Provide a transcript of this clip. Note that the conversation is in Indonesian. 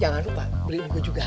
jangan lupa beli buku juga